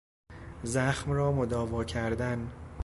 زخم را مداوا کردن